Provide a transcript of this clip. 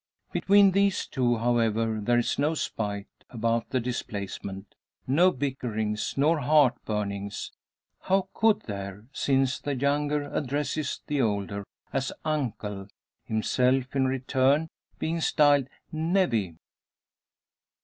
Between these two, however, there is no spite about the displacement no bickerings nor heartburnings. How could there, since the younger addresses the older as "uncle"; himself in return being styled "nevvy?"